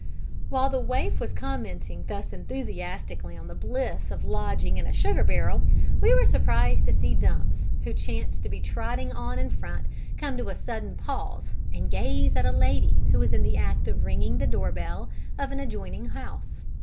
While the waif was commenting thus enthusiastically on the bliss of lodging in a sugar barrel, we were surprised to see Dumps, who chanced to be trotting on in front come to a sudden pause and gaze at a lady who was in the act of ringing the door bell of an adjoining house.